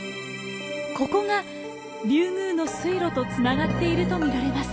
ここが竜宮の水路とつながっているとみられます。